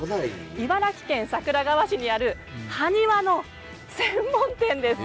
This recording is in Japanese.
茨城県桜川市にある埴輪の専門店です。